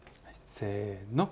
せの。